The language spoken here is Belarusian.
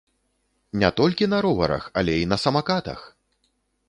Не толькі на роварах, але і на самакатах!